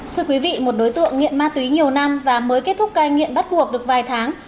thưa quý vị một đối tượng nghiện ma túy nhiều năm và mới kết thúc cai nghiện bắt buộc được vài tháng